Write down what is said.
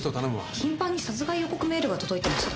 頻繁に殺害予告メールが届いてました。